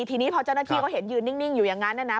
ทีนี้พอเจ้าหน้าที่เขาเห็นยืนนิ่งอยู่อย่างนั้นนะ